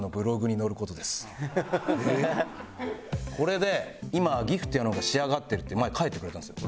これで「今ギフトっていうのが仕上がってる」って前書いてくれたんですよ。